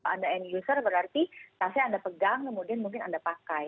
ada end user berarti tasnya anda pegang kemudian mungkin anda pakai